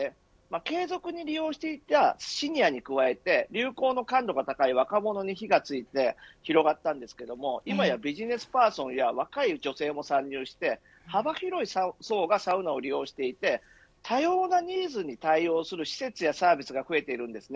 継続に利用していたシニアに加えて流行の感度が高い若者に火がついて広まったんですけれども、今やビジネスパーソンや若い女性も参入して幅広い層がサウナを利用していて多様なニーズに対応する施設やサービスが増えているんですね。